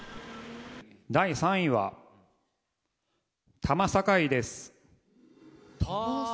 第３位は、多摩境です。